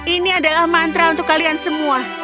ini adalah mantra untuk kalian semua